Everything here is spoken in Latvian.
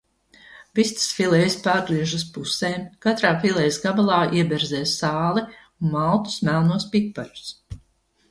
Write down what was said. Vistas filejas pārgriež uz pusēm, katrā filejas gabalā ieberzē sāli un maltus melnos piparus.